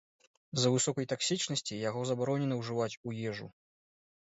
З-за высокай таксічнасці яго забаронена ўжываць у ежу.